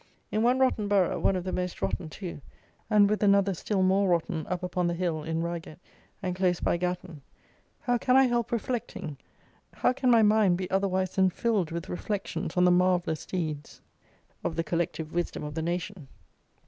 In one rotten borough, one of the most rotten too, and with another still more rotten up upon the hill, in Reigate, and close by Gatton, how can I help reflecting, how can my mind be otherwise than filled with reflections on the marvellous deeds of the Collective Wisdom of the nation!